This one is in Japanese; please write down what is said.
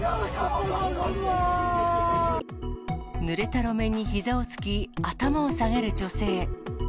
ぬれた路面にひざをつき、頭を下げる女性。